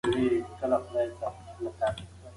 د نخودو خوړل د بدن لپاره انرژي برابروي.